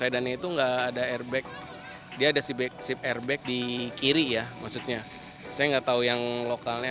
dan itu enggak ada airbag dia ada ship airbag di kiri ya maksudnya saya enggak tahu yang lokalnya